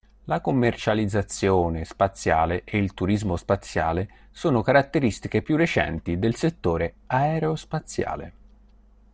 La commercializzazione spaziale e il turismo spaziale sono caratteristiche più recenti del settore aerospaziale.